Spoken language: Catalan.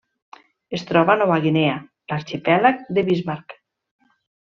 Es troba a Nova Guinea: l'arxipèlag de Bismarck.